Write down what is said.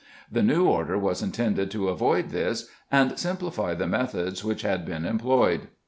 The new order was intended to avoid this, and simplify the methods which had been employed.